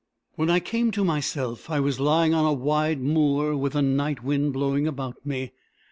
When I came to myself, I was lying on a wide moor, with the night wind blowing about me.